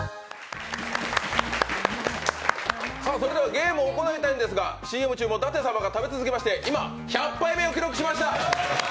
ゲームをやりたいんですがＣＭ中も舘様が食べ続けまして、今１００杯目を記録しました。